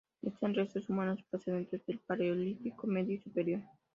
Existen restos humanos procedentes del Paleolítico Medio y Superior.